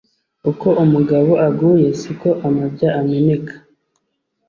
Uko umugabo aguye si ko amabya ameneka.